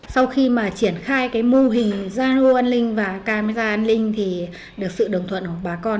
sau khi mà triển khai cái mô hình gia lô an ninh và camera an ninh thì được sự đồng thuận của bà con